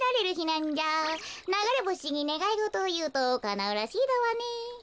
ながれぼしにねがいごとをいうとかなうらしいだわね。